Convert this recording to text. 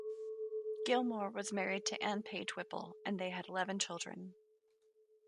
Gilmore was married to Ann Page Whipple, and they had eleven children.